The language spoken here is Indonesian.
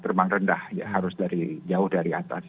terbang rendah harus jauh dari atas